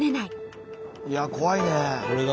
いや怖いね。